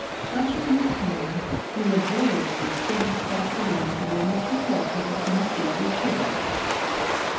Clutching his cane, he laboriously stamped across the room to where Mr. Colquitt, of Tennessee, was sitting.